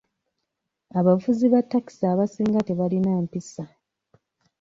Abavuzi ba ttakisi abasinga tebalina mpisa.